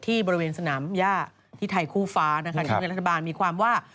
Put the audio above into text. ที่บริเวณสนามหญ้าที่ไทยคู่ฟ้าท่านเงินรัฐบาลมีความว่า